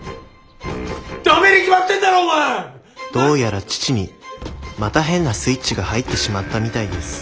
どうやら父にまた変なスイッチが入ってしまったみたいです